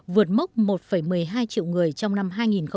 vượt mốc một một mươi hai triệu người trong năm hai nghìn một mươi chín